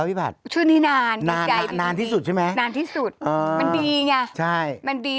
แหนะที่ก็ดีใจดี